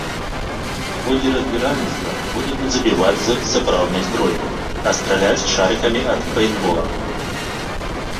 У ходзе разбіральніцтва будуць не забіваць з сапраўднай зброі, а страляць шарыкамі ад пэйнтбола.